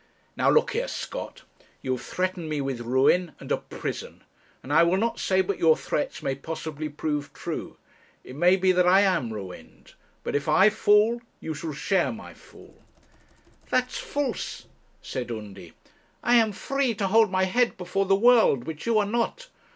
'Now look here, Scott; you have threatened me with ruin and a prison, and I will not say but your threats may possibly prove true. It may be that I am ruined; but, if I fall, you shall share my fall.' 'That's false,' said Undy. 'I am free to hold my head before the world, which you are not.